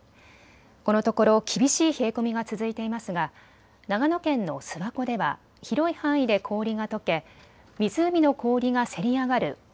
このところ厳しい冷え込みが続いていますが長野県の諏訪湖では広い範囲で氷が溶け湖の氷がせり上がる御